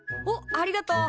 ありがとう！